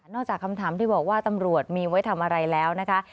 จากคำถามที่บอกว่าตำรวจมีไว้ทำอะไรแล้วนะคะ